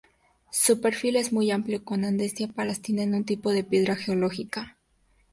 Su perfil es muy amplio con andesita basáltica un tipo de piedra geológica.